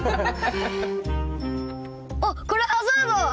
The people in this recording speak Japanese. あっこれハザード！